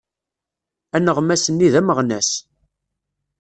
Aneɣmas-nni d ameɣnas.